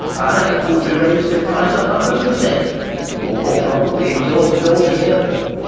Iron would be raised in price 100 per cent., or more probably exhausted altogether!